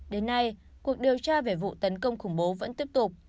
đến nay cuộc điều tra về vụ tấn công khủng bố vẫn tiếp tục